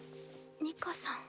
ニカさん。